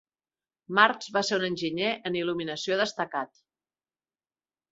Marks va ser un enginyer en il·luminació destacat.